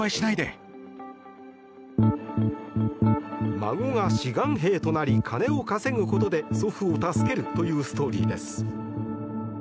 孫が志願兵となり金を稼ぐことで祖父を助けるというストーリーです。